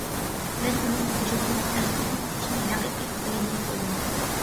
مەن ئۇنىڭ ۋۇجۇدىدىن ئەخلاقنىڭ كۈچىنى ھەقىقىي كۆرگەندەك بولدۇم.